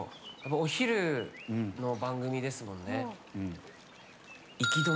お昼の番組ですもんね。